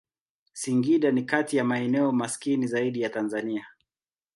Singida ni kati ya maeneo maskini zaidi ya Tanzania.